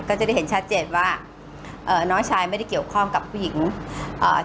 ก็จะได้เห็นชัดเจนว่าเอ่อน้องชายไม่ได้เกี่ยวข้องกับผู้หญิงอ่า